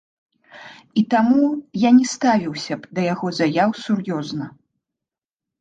І таму я не ставіўся б да яго заяў сур'ёзна.